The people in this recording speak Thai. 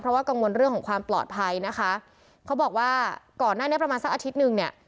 เพราะว่ากังวลเรื่องของความปลอดภัยนะคะเขาบอกว่าก่อนหน้านี้ประมาณสักอาทิตย์หนึ่งเนี่ย